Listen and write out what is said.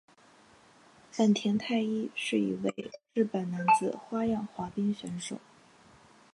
本田太一是一位日本男子花样滑冰选手。